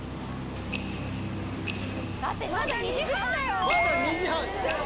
だってまだ２時半だよ。